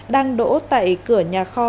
đang đỗ tại cửa nhà kho